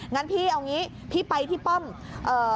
งั้นพี่เอาอย่างนี้พี่ไปที่ป้ำ